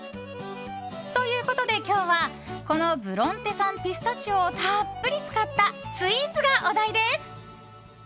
ということで今日はこのブロンテ産ピスタチオをたっぷり使ったスイーツがお題です。